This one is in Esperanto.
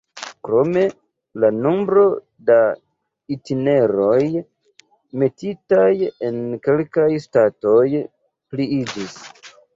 Krome, la nombro da itineroj metitaj en kelkaj ŝtatoj pliiĝis.